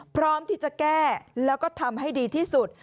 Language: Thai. พร้อมที่จะแก้แล้วก็ทำให้ดีที่สุด